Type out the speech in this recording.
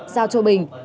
giao cho bình